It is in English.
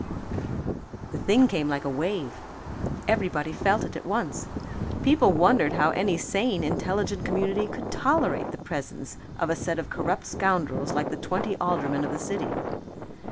The thing came like a wave. Everybody felt it at once. People wondered how any sane, intelligent community could tolerate the presence of a set of corrupt scoundrels like the twenty aldermen of the city.